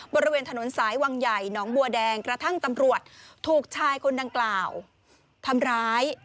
บริเวณถนนสายวังใหญ่หนองบัวแดงกระทั่งตำรวจถูกชายคนดังกล่าวทำร้าย